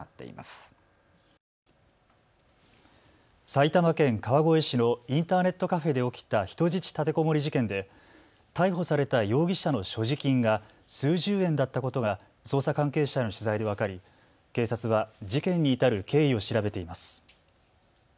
埼玉県川越市のインターネットカフェで起きた人質立てこもり事件で逮捕された容疑者の所持金が数十円だったことが捜査関係者への取材で分かり警察は事件に至る経緯を調べています。